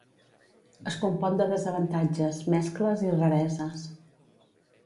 Es compon de desavantatges, mescles i rareses.